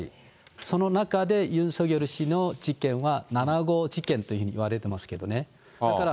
その中で、ユン・ソギョル氏の事件は７号事件というふうにいわれてますけどね。